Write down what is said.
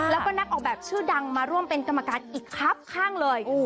แล้วก็นักออกแบบชื่อดังมาร่วมเป็นกรรมการอีกครับข้างเลย